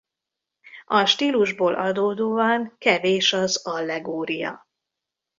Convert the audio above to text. A stílusból adódóan kevés az allegória.